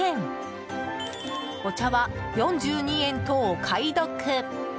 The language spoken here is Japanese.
お茶は４２円とお買い得。